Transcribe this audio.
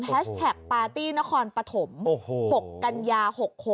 แท็กปาร์ตี้นครปฐม๖กันยา๖๖